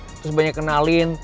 terus banyak kenalin